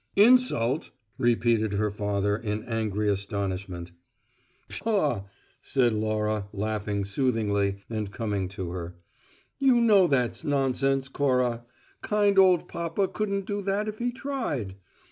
"`Insult'?" repeated her father, in angry astonishment. "Pshaw," said Laura, laughing soothingly and coming to her. "You know that's nonsense, Cora. Kind old papa couldn't do that if he tried.